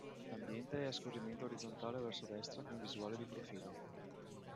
L'ambiente è a scorrimento orizzontale verso destra con visuale di profilo.